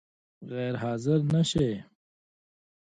غیر حاضر نه شې؟